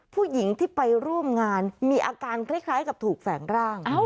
ผู้หญิงที่ไปร่วมงานมีอาการคล้ายกับถูกแฝงร่าง